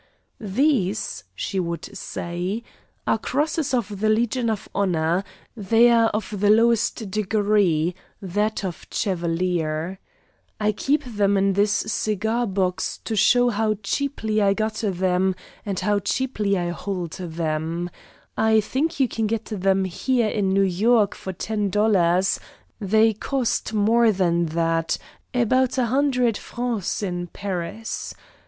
"These," she would say, "are crosses of the Legion of Honor; they are of the lowest degree, that of chevalier. I keep them in this cigar box to show how cheaply I got them and how cheaply I hold them. I think you can get them here in New York for ten dollars; they cost more than that about a hundred francs in Paris.